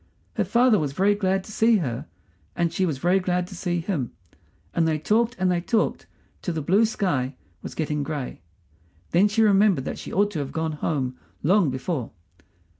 Her father was very glad to see her, and she was very glad to see him, and they talked and they talked till the blue sky was getting gray. Then she remembered that she ought to have gone home long before.